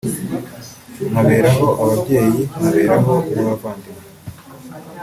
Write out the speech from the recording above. nkaberaho ababyeyi nkaberaho n’abavandimwe